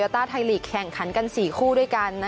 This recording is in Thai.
ต้าไทยลีกแข่งขันกัน๔คู่ด้วยกัน